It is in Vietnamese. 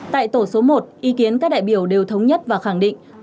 tại tổ số một ý kiến các đại biểu đều thống nhất và khẳng định